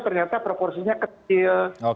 ternyata proporsinya kecil